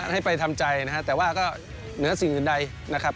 ให้ไปทำใจนะครับแต่ว่าก็เหนือสิ่งอื่นใดนะครับ